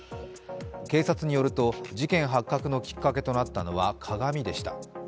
警察によると、事件発覚のきっかけとなったのは鏡でした。